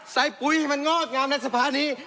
ปุ๋ยให้มันงอกงามในสภานี้